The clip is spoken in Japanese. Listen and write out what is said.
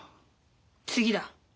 次だ。